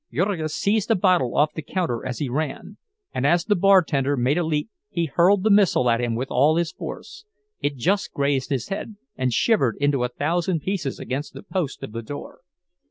Jurgis seized a bottle off the counter as he ran; and as the bartender made a leap he hurled the missile at him with all his force. It just grazed his head, and shivered into a thousand pieces against the post of the door.